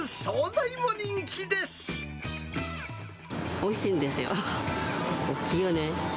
おいしいんですよ。大きいよね。